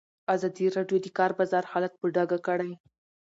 ازادي راډیو د د کار بازار حالت په ډاګه کړی.